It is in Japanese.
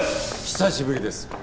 久しぶりです